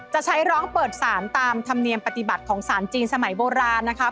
จะใช้ร้องเปิดสารตามธรรมเนียมปฏิบัติของสารจีนสมัยโบราณนะคะ